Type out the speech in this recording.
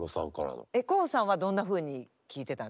ＫＯＯさんはどんなふうに聞いてたんですか？